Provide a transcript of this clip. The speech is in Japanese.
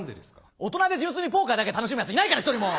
大人で純粋にポーカーだけ楽しむやついないから一人も！